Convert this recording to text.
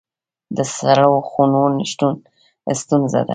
د سړو خونو نشتون ستونزه ده